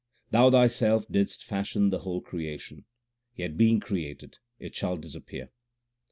Thou Thyself didst fashion the whole creation, yet, being created, it shall disappear.